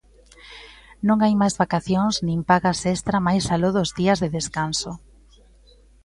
Non hai máis vacacións nin pagas extra máis aló dos días de descanso.